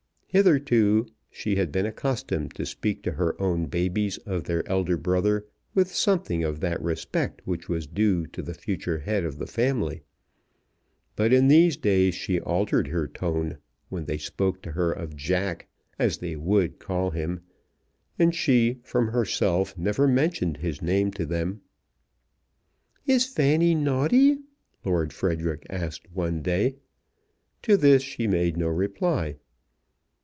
Hitherto she had been accustomed to speak to her own babies of their elder brother with something of that respect which was due to the future head of the family; but in these days she altered her tone when they spoke to her of Jack, as they would call him, and she, from herself, never mentioned his name to them. "Is Fanny naughty?" Lord Frederic asked one day. To this she made no reply.